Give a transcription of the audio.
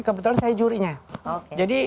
kebetulan saya jurinya jadi